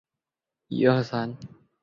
它们主要吃浮游植物及微小浮游生物。